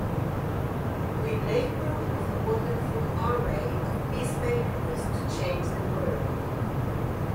We labour with a wonderful array of peacemakers to change the world.